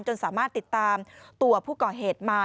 สามารถติดตามตัวผู้ก่อเหตุมา